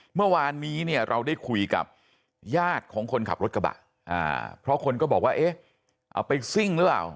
เมื่อวานนี้เนี่ยเราได้คุยกับญาติของคนขับรถกระบะเพราะคนก็บอกว่าเอ๊ะเอาไปซิ่งหรือเปล่า